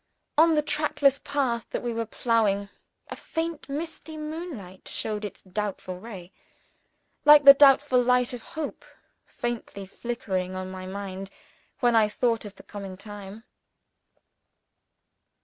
On the trackless path that we were ploughing, a faint misty moonlight shed its doubtful ray. Like the doubtful light of hope, faintly flickering on my mind when I thought of the coming time!